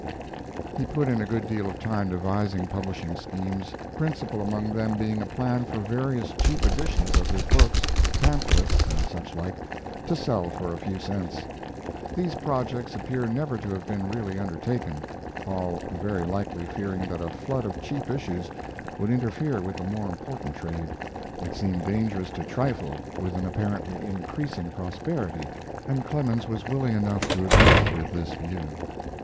He put in a good deal of time devising publishing schemes, principal among them being a plan for various cheap editions of his books, pamphlets, and such like, to sell for a few cents. These projects appear never to have been really undertaken, Hall very likely fearing that a flood of cheap issues would interfere with the more important trade. It seemed dangerous to trifle with an apparently increasing prosperity, and Clemens was willing enough to agree with this view.